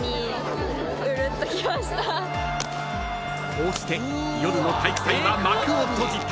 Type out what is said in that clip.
［こうして夜の体育祭は幕を閉じた］